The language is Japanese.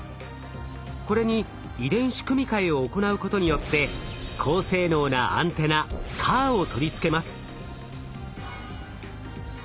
これに遺伝子組み換えを行うことによって高性能なアンテナＣＡＲを取り付けます。